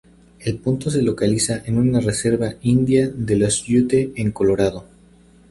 El punto se localiza en una reserva india de los Ute en Colorado.